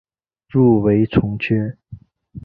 入围从缺。